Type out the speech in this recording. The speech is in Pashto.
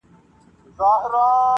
یو له بله یې کړل بيل نیژدې کورونه-